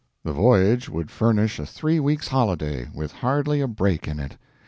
The voyage would furnish a three weeks holiday, with hardly a break in it.